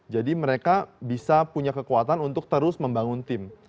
jadi mereka bisa punya kekuatan untuk terus membangun tim